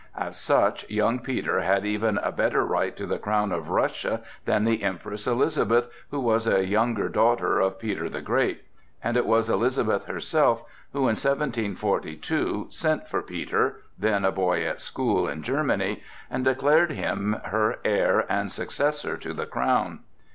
As such, young Peter had even a better right to the crown of Russia than the Empress Elizabeth, who was a younger daughter of Peter the Great; and it was Elizabeth herself who, in 1742, sent for Peter—then a boy at school in Germany—and declared him her heir and successor to the crown.